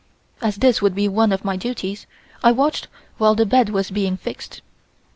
As this would be one of my duties, I watched while the bed was being fixed.